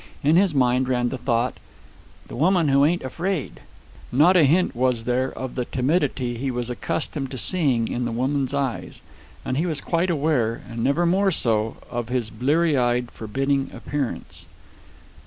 In his mind ran the thought: the woman who ain't afraid. Not a hint was there of the timidity he was accustomed to seeing in women's eyes. And he was quite aware, and never more so, of his bleary eyed, forbidding appearance.